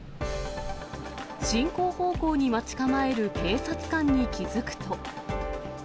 進行方向に待ち構える警察官に気付くと。